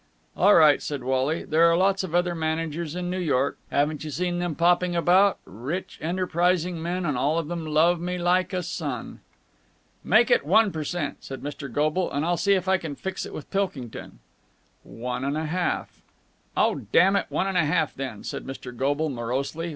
"All right," said Wally. "There are lots of other managers in New York. Haven't you seen them popping about? Rich, enterprising men, and all of them love me like a son." "Make it one per cent," said Mr. Goble, "and I'll see if I can fix it with Pilkington." "One and a half." "Oh, damn it, one and a half, then," said Mr. Goble morosely.